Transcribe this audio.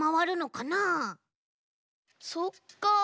そっか。